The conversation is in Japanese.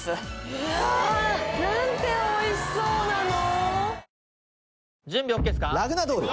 ・何ておいしそうなの！